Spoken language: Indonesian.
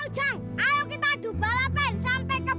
satu dua tiga